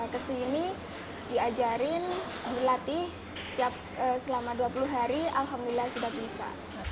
kesini diajarin dilatih selama dua puluh hari alhamdulillah sudah bisa